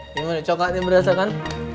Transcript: gimana cokelatnya berasa kan